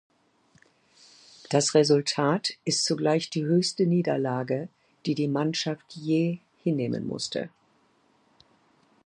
Das Resultat ist zugleich die höchste Niederlage, die die Mannschaft je hinnehmen musste.